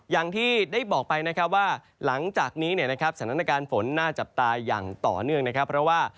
อย่างที่ได้บอกไปว่าหลังจากนี้สถานการณ์ฝนน่าจับตายอย่างต่อเนื่องนะครับ